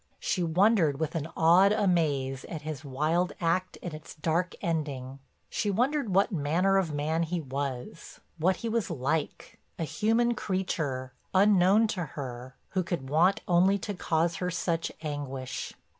She wondered with an awed amaze at his wild act and its dark ending. She wondered what manner of man he was, what he was like—a human creature, unknown to her, who could want only to cause her such anguish.